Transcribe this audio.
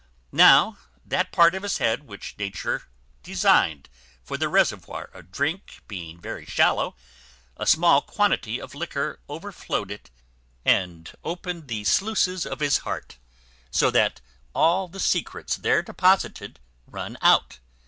Now, that part of his head which Nature designed for the reservoir of drink being very shallow, a small quantity of liquor overflowed it, and opened the sluices of his heart; so that all the secrets there deposited run out.